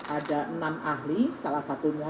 ada enam ahli salah satunya